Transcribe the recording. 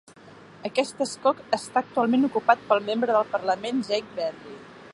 Aquest escó està actualment ocupat pel Membre del Parlament Jake Berry.